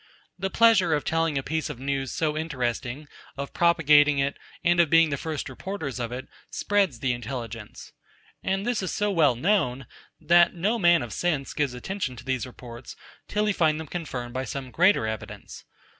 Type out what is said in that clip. The pleasure of telling a piece of news so interesting, of propagating it, and of being the first reporters of it, spreads the intelligence. And this is so well known, that no man of sense gives attention to these reports, till he find them confirmed by some greater evidence.